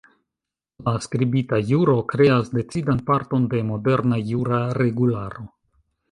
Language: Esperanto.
La skribita juro kreas decidan parton de moderna jura regularo.